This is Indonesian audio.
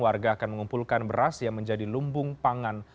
warga akan mengumpulkan beras yang menjadi lumbung pangan